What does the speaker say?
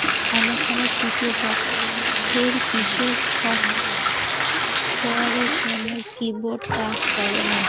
অনেক সময় তৃতীয় পক্ষের কিছু সফটওয়্যারের জন্য কি-বোর্ড কাজ করে না।